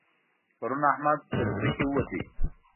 پرون احمد تر ځمکې ووت.